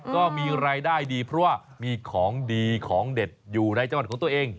ก็มีรายได้ดีเพราะว่ามีของดีของเด็ดอยู่ในจังหวัดของตัวเอง